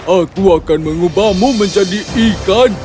aku akan mengubahmu menjadi ikan